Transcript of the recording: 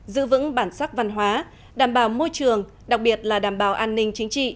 giữ vững bản sắc văn hóa đảm bảo môi trường đặc biệt là đảm bảo an ninh chính trị